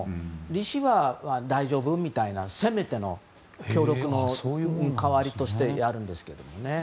利子は大丈夫みたいなせめての協力の代わりとしてやるんですけどもね。